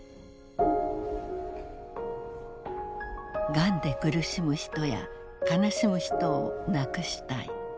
がんで苦しむ人や悲しむ人をなくしたい。